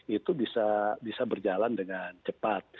itu bisa berjalan dengan cepat